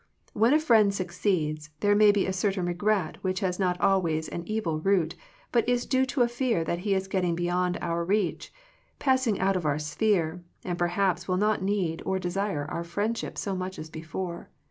When a friend succeeds, there may be a certain regret which has not always an evil root, but is due to a fear that he is getting beyond our reach, passing out of our sphere, and perhaps will not need or desire our friend ship so much as before.